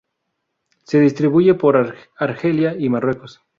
Se distribuye por Argelia y Marruecos.